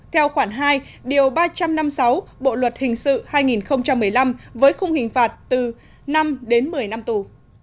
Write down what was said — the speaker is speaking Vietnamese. theo khoản hai điều ba trăm năm mươi sáu bộ luật hình sự hai nghìn một mươi năm với khung hình phạt từ năm đến một mươi năm tù